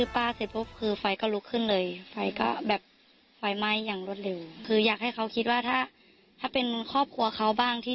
ไปส่งครับรถไปส่งไปที่ทำงาน